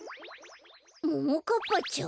ももかっぱちゃん。